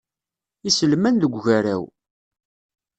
Iselman deg ugaraw.